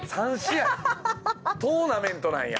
トーナメントなんや。